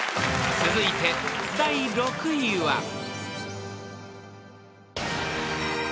［続いて第６位は］